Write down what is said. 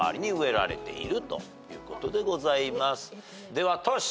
ではトシ。